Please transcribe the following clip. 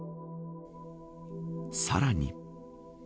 さらに。